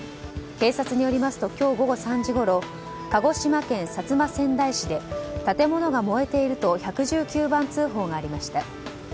警察によりますと今日午後３時ごろ鹿児島県薩摩川内市で建物が燃えていると１１９番通報がありました。